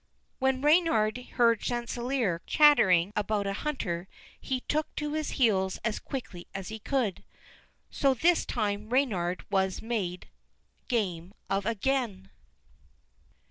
When Reynard heard Chanticleer chattering about a hunter, he took to his heels as quick as he could. So this time Reynard was made game of again!